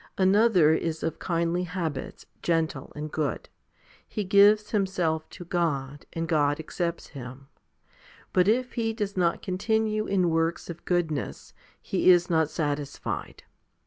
Another is of kindly habits, gentle, and good : he gives himself to God, and God accepts him ; but if he does not continue in works of goodness, He is not satisfied.